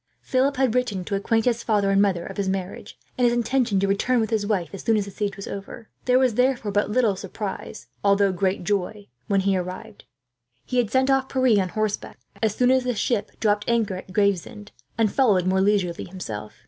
Philip had written to acquaint his father and mother of his marriage, and his intention to return with his wife as soon as the siege was over. There was therefore but little surprise, although great joy, when he arrived. He had sent off Pierre on horseback, as soon as the ship dropped anchor at Gravesend, and followed more leisurely himself.